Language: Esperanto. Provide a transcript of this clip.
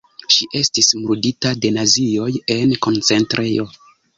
Ŝi estis murdita de nazioj en koncentrejo.